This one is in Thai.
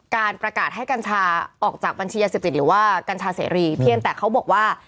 การประกาศให้กัญชาออกจากบัญชียาเสพติดหรือว่ากัญชาเสรีเพียงแต่เขาบอกว่า